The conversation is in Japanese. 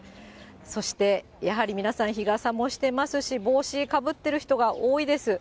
そしてやはり皆さん、日傘もしていますし、帽子かぶってる人が多いです。